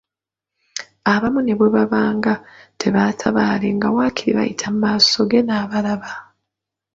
Abamu ne bwe baabanga tebatabaale nga waakiri bayita mu maaso ge n’abalaba.